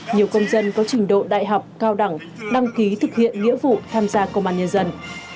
nhiều công dân có trình độ đại học cao đẳng đăng ký thực hiện nghĩa vụ tham gia công an nhân dân